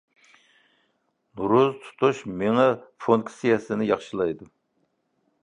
روزا تۇتۇش مېڭە فۇنكسىيەسىنى ياخشىلايدۇ.